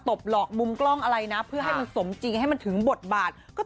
ถ้ายืนอยู่แล้วก็